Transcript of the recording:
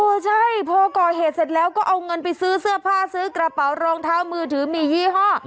ใช่พอก่อเหตุเสร็จแล้วก็เอาเงินไปซื้อเสื้อผ้าซื้อกระเป๋ารองเท้ามือถือมียี่ห้อ